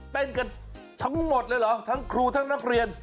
กันทั้งหมดเลยเหรอทั้งครูทั้งนักเรียน